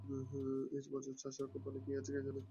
এ বছর চাষার কপালে কী আছে কে জানে।